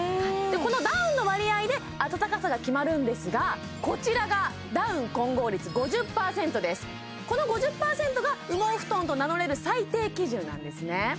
このダウンの割合であたたかさが決まるんですがこちらがこの５０％が羽毛布団と名乗れる最低基準なんですね